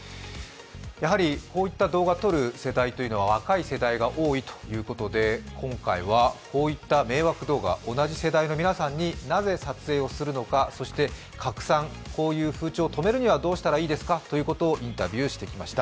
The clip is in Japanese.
やはりこういった動画を撮る世代というのは若い世代が多いということで今回はこういった迷惑動画、同じ世代の皆さんになぜ撮影するのか、そして拡散、こういう風潮を止めるにはどうしたらいいですかとインタビューしてきました。